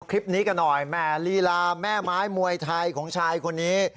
คลิปนี้กันหน่อยแหม่ลีลาแม่ไม้มวยไทยของชายคนนี้